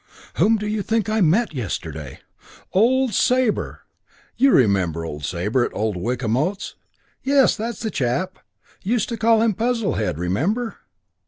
"Whom do you think I met yesterday? Old Sabre! You remember old Sabre at old Wickamote's?... Yes, that's the chap. Used to call him Puzzlehead, remember?